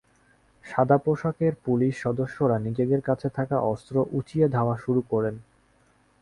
সাদাপোশাকের police সদস্যরা নিজেদের কাছে থাকা অস্ত্র উঁচিয়ে ধাওয়া শুরু করেন।